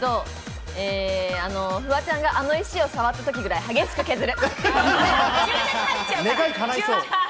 フワちゃんが、あの石を触った時ぐらい激しく削る。